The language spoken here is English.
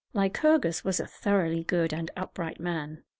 Lycurgus was a thoroughly good and upright man.